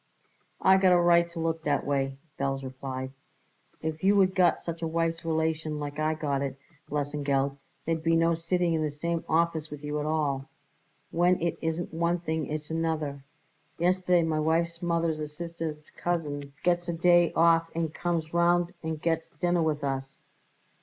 "I got a right to look that way," Belz replied. "If you would got such a wife's relation like I got it, Lesengeld, there'd be no sitting in the same office with you at all. When it isn't one thing it's another. Yesterday my wife's mother's a sister's cousin gets a day off and comes round and gets dinner with us.